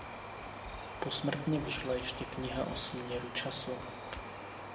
Posmrtně vyšla ještě kniha o směru času.